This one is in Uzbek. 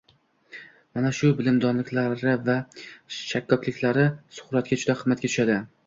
Mana shu bilimdonliklari va shakkokliklari Suqrotga juda qimmatga tushadi